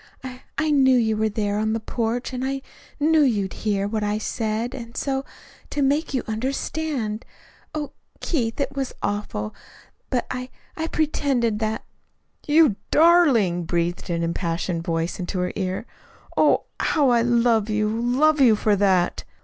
I I knew you were there on the porch, and and I knew you'd hear what I said. And so, to make you understand oh, Keith, it was awful, but I I pretended that " "You darling!" breathed an impassioned voice in her ear. "Oh, how I love you, love you for that!"